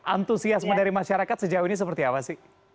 antusiasme dari masyarakat sejauh ini seperti apa sih